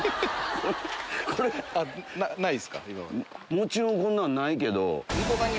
もちろんこんなんないけど。